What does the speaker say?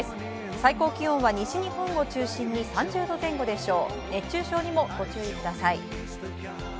最高気温は西日本を中心に３０度前後でしょう。